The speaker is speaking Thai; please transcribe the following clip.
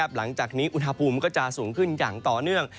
หลังจากนี้อุณหภูมิก็จะสูงขึ้นอย่างต่อเนื่อง